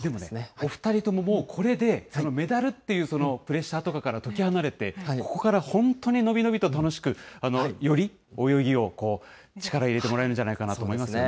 お２人とももうこれでメダルっていうプレッシャーとかから解き放たれて、ここから本当に伸び伸びと楽しく、より泳ぎを力入れてもらえるんじゃないかと思いますね。